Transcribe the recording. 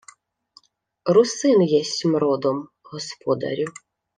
— Русин єсмь родом, господарю.